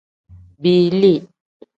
Biili.